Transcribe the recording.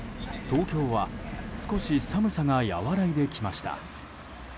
東京は少し寒さが和らいできました。